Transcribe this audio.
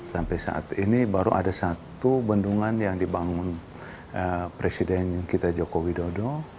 sampai saat ini baru ada satu bendungan yang dibangun presiden kita joko widodo